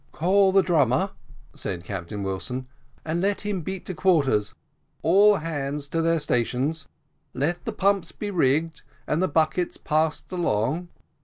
"Call the drummer," said Captain Wilson, "and let him beat to quarters all hands to their stations let the pumps be rigged and the buckets passed along.